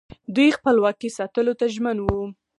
دوی خپلواکي ساتلو ته ژمن وو